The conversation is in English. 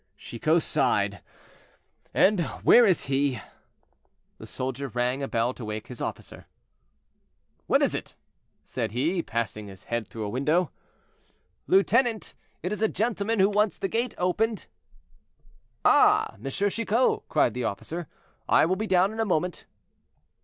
Chicot sighed. "And where is he?" The soldier rang a bell to wake his officer. "What is it?" said he, passing his head through a window. "Lieutenant, it is a gentleman who wants the gate opened." "Ah! M. Chicot," cried the officer, "I will be down in a moment."